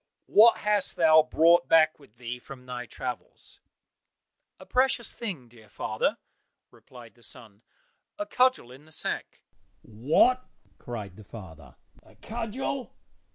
"What hast thou brought back with thee from thy travels?" "A precious thing, dear father," replied the son, "a cudgel in the sack." "What!" cried the father, "a cudgel!